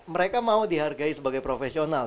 mereka mau dihargai sebagai profesional